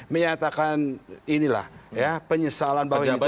menyatakan inilah ya penyesalan bahwa ini